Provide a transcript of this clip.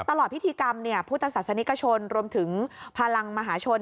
ตลอดพิธีกรรมพุทธศาสนิกชนรวมถึงพลังมหาชน